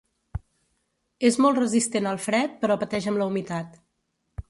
És molt resistent al fred però pateix amb la humitat.